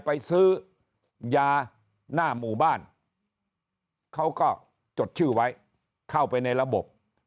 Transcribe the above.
ไปซื้อยาหน้าหมู่บ้านเขาก็จดชื่อไว้เข้าไปในระบบ